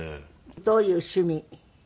どういう趣味？